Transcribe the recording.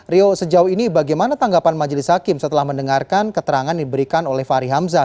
rio sejauh ini bagaimana tanggapan majelis hakim setelah mendengarkan keterangan diberikan oleh fahri hamzah